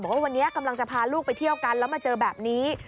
ว่าวันนี้กำลังจะพาลูกไปเที่ยวกันแล้วมาเจอแบบนี้